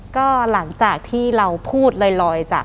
ก็หลังจากที่เราพูดลอยจาก